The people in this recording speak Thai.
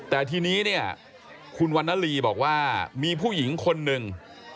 แต่ทีนี้เนี่ยคุณวันนลีบอกว่ามีผู้หญิงคนหนึ่ง